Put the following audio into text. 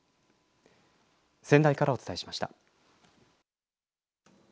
仙台からお伝えしました。